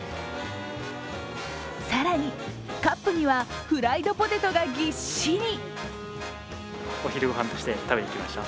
更に、カップにはフライドポテトがぎっしり。